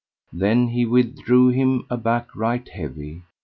Then he withdrew him aback right heavy.